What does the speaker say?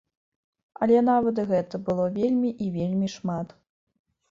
Але нават гэта было вельмі і вельмі шмат.